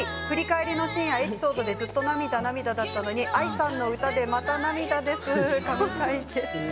振り返りシーン、エピソードでずっと涙涙だったのにＡＩさんの涙でまた涙です。